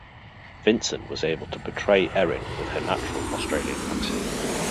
Vinson was able to portray Erin with her natural Australian accent.